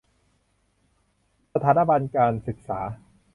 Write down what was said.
สถานบันการศึกษา